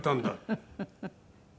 フフフフ。